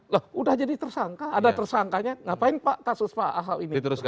loh sudah jadi tersangka ada tersangkanya ngapain kasus pak ahok ini tersangka